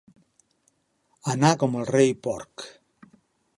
Anar com el rei porc.